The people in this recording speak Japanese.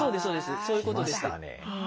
そういうことでした。